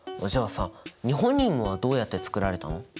じゃあさニホニウムはどうやって作られたの？